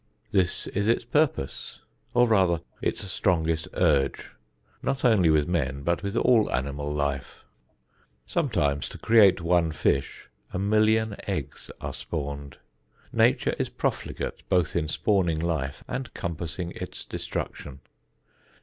This is its purpose or, rather, its strongest urge not only with men but with all animal life. Sometimes to create one fish a million eggs are spawned. Nature is profligate both in spawning life and compassing its destruction.